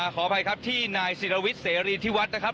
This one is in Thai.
ขออภัยครับที่นายศิรวิทย์เสรีที่วัดนะครับ